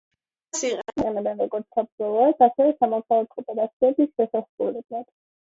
მას იყენებენ როგორც საბრძოლო, ასევე სამოქალაქო ოპერაციების შესასრულებლად.